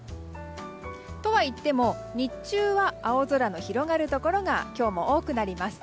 とはいっても日中は青空の広がるところが今日も多くなります。